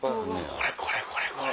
これこれこれこれ。